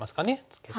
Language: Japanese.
ツケて。